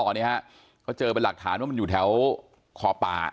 เขาเจอเป็นหลักฐานไว้อยู่แถวคอปลา